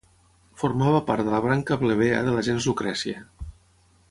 Formava part de la branca plebea de la gens Lucrècia.